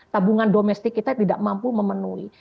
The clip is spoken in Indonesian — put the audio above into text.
tabungan domestik kita tidak mampu memenuhi